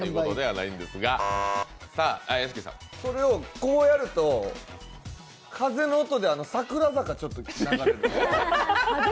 それをこうやると、風の音で「桜坂」ちょっと流れる。